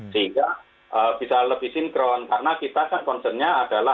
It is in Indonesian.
sehingga bisa lebih sinkron karena kita kan concernnya adalah